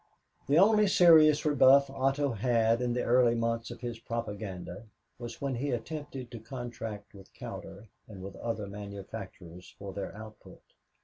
The only serious rebuff Otto had in the early months of his propaganda was when he attempted to contract with Cowder and with other manufacturers for their output.